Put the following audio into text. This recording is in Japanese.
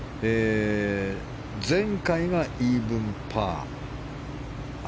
前回がイーブンパー。